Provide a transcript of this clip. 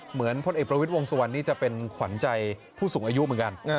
เหมือนพลเอกประวิษฐ์วงศ์สวรรษ์นี่จะเป็นขวัญใจผู้สูงอายุเหมือนกัน